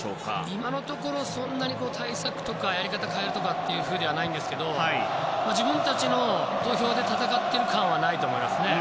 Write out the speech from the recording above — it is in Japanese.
今のところそんなに対策とかやり方を変えるというふうではないんですが自分たちの土俵で戦っている感はないと思います。